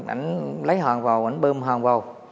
anh lấy hòn vào anh bơm hòn vào